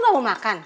lu gak mau makan